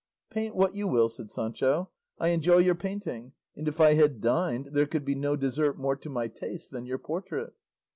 "Paint what you will," said Sancho; "I enjoy your painting, and if I had dined there could be no dessert more to my taste than your portrait."